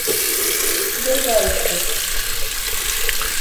Бергә үҫтек.